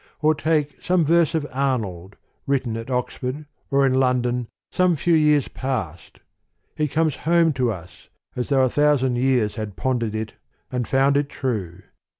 Or take some verse of Arnold, written at Oxford or in London, some few years past : it comes home to us, as though a thousand years had pondered it, and found it true.